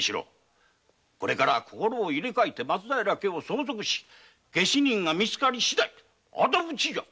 これからは心を入れかえて松平家を相続し下手人がみつかりしだい仇討ちじゃ